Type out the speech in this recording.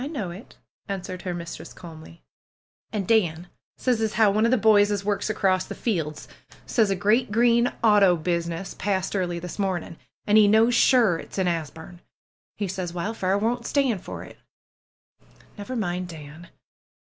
know it !" answered her mistress calmly. ^'An' Dan says as how one of the boys as works across the fields says a great green auto business passed early this morning, an' he knows sure it's in Asbume. He says Wildfire won't stand for it." ^^Never mind Dan!